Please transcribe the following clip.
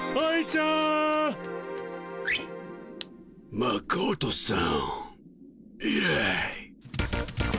マコトさん。